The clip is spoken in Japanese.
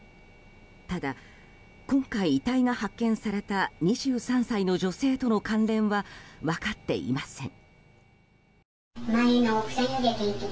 ただ、今回遺体が発見された２３歳の女性との関連は分かっていません。